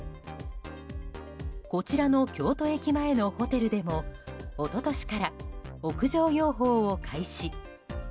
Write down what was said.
こちらの京都駅前のホテルでも一昨年から屋上養蜂を開始。